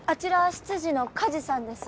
執事の梶さんです。